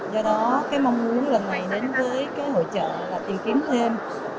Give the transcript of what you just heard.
đến với hội trợ là tìm kiếm thêm nhiều khách hàng ở nga và các nước lân cận